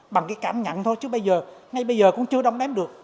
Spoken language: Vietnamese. bằng cái cảm nhận thôi chứ bây giờ ngay bây giờ cũng chưa đong đếm được